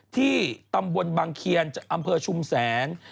ที่ตำบลบังเคียนอำเภอชุมแสน